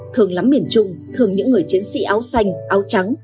thương lắm miền trung thương những người chiến sĩ áo xanh áo trắng